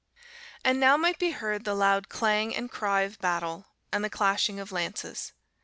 "And now might be heard the loud clang and cry of battle, and the clashing of lances.